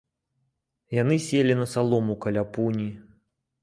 Яны селі на салому каля пуні.